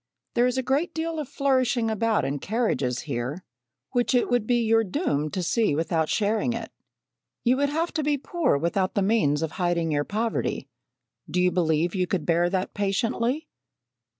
There is a great deal of flourishing about in carriages here, which it would be your doom to see without sharing it. You would have to be poor without the means of hiding your poverty. Do you believe you could bear that patiently?